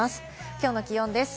きょうの気温です。